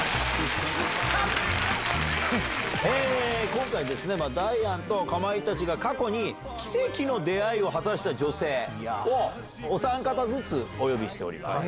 今回ですね、ダイアンとかまいたちが過去に、奇跡の出会いを果たした女性を、お三方ずつお呼びしております。